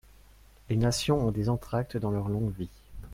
Les nations ont des entr'actes dans leur longue vie.